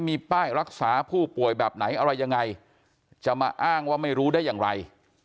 มีป้ายรักษาผู้ป่วยแบบไหนอะไรยังไงจะมาอ้างว่าไม่รู้ได้อย่างไร